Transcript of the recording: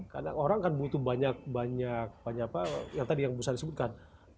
karena orang kan butuh banyak banyak yang tadi yang bu sari sebutkan